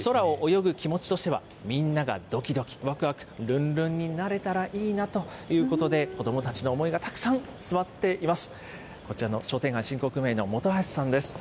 空を泳ぐ気持ちとしては、みんながどきどきわくわく、ルンルンになれたらいいなということで、子どもたちの思いがたくさん詰まっています。